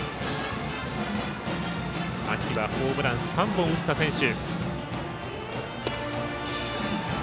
秋はホームラン３本打った選手。